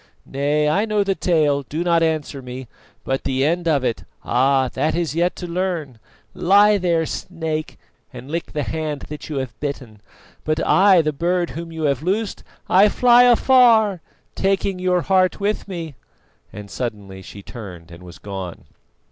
Nay, I know the tale, do not answer me, but the end of it ah! that is yet to learn. Lie there, snake, and lick the hand that you have bitten, but I, the bird whom you have loosed, I fly afar taking your heart with me!" and suddenly she turned and was gone.